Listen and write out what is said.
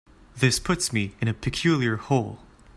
This puts me in a peculiar hole.